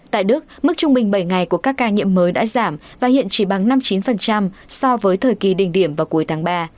tại đức mức trung bình bảy ngày của các ca nhiễm mới đã giảm và hiện chỉ bằng năm mươi chín so với thời kỳ đỉnh điểm vào cuối tháng ba